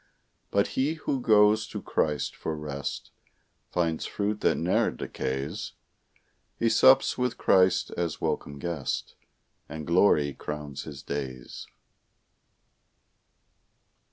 But he who goes to Christ for rest, Finds fruit that ne'er decays. He sups with Christ as welcome guest, And glory crowns his days.